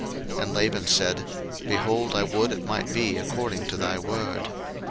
01:030:034 And Laban said, Behold, I would it might be according to thy word.